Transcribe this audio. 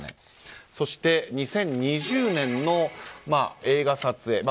そして２０２０年の映画撮影。